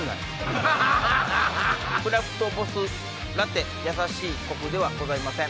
クラフトボスラテやさしいコクではございません。